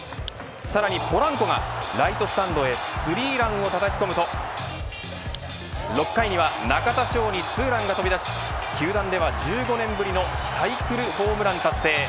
さらにポランコがライトスタンドへスリーランをたたき込むと６回には中田翔にツーランが飛び出し球団では１５年ぶりのサイクルホームラン達成。